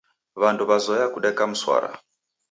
W'andu w'azoya kudeka mswara.